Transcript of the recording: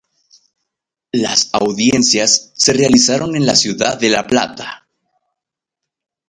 Las audiencias se realizaron en la ciudad de La Plata.